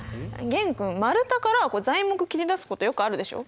玄君丸太から材木切り出すことよくあるでしょ？